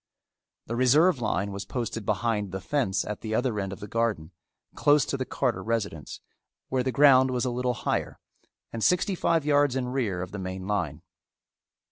The reserve line was posted behind the fence at the other end of the garden, close to the Carter residence, where the ground was a little higher, and sixty five yards in rear of the main line.